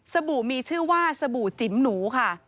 บู่มีชื่อว่าสบู่จิ๋มหนูค่ะ